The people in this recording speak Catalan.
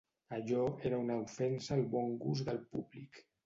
Allò era una ofensa al bon gust del públic.